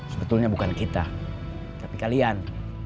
sebetulnya bukan kita tapi kalian